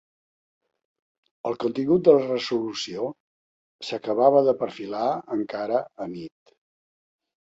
El contingut de la resolució s’acabava de perfilar encara anit.